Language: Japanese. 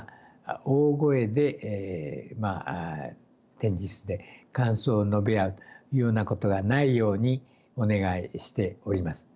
大声で展示室で感想を述べ合うというようなことはないようにお願いしております。